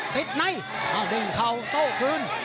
ติดในเอ้าดึงเข้าโต้คืน